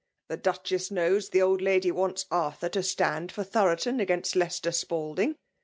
The Duchess knows the old lady vrants Arthur to stand for Thbrb ton, against Leicester Spalding.